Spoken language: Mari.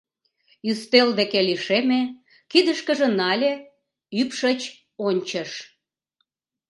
Ӱстел деке лишеме, кидышкыже нале, ӱпшыч ончыш.